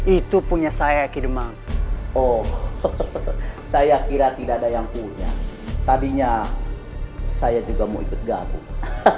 itu punya saya ki demam oh saya kira tidak ada yang punya tadinya saya juga mau ikut gabung